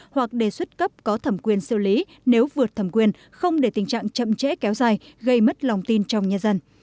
hoặc đề xuất cấp có thẩm quyền xử lý nếu vượt thẩm quyền không để tình trạng chậm trễ kéo dài gây mất lòng tin trong nhà dân